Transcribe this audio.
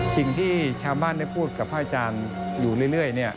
สิ่งที่ชาวบ้านได้พูดกับพระอาจารย์อยู่เรื่อย